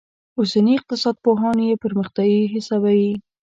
اوسني اقتصاد پوهان یې پرمختیايي حسابوي.